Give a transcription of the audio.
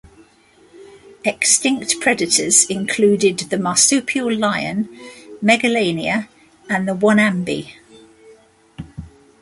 Extinct predators included the marsupial lion, Megalania, and the wonambi.